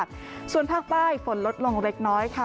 ส่วนภาคใต้ฝนลดลงเล็กน้อยค่ะ